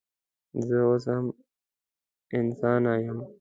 زه اوس هم انسانه یم